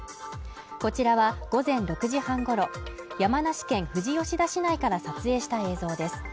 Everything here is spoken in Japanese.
こちらは午前６時半ごろ山梨県富士吉田市内から撮影した映像です